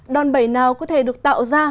đòn bẩy nào có thể được tạo ra